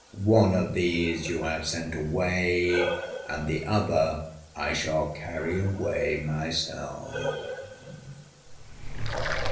One of these you have sent away, and the other I shall carry away myself."